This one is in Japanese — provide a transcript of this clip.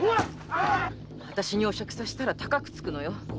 あたしにお酌させたら高くつくのよ！